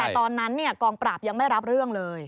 แต่ตอนนั้นกองปราบยังไม่รับเรื่องเลย